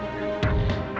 tuhan tidak memberkannya